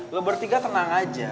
lo bertiga tenang aja